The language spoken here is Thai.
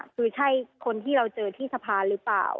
คือใช่คนที่เราเจอที่สะพานหรือเปล่า